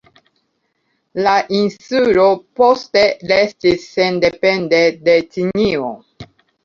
La insulo poste restis sendepende de Ĉinio.